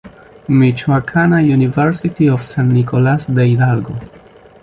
Michoacana University of San Nicolas de Hidalgo.